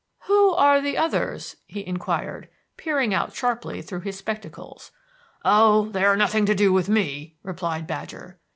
"Who are the others?" he inquired, peering out sharply through his spectacles. "Oh, they are nothing to do with me," replied Badger.